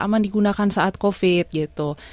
aman digunakan saat covid gitu